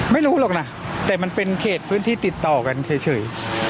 ไม่รู้หรอกนะแต่มันเป็นเขตพื้นที่ติดต่อกันเฉย